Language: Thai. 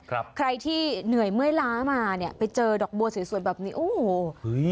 ครับใครที่เหนื่อยเมื่อยล้ามาไปเจอดอกบัวสวยซวนแบบนี้โอ้โห